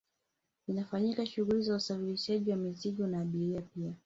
zinafanyika shughuli za usafirishaji wa mizigo na abiria pia